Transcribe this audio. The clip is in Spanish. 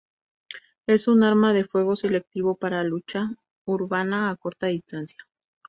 Es un arma de fuego selectivo para lucha urbana a corta distancia.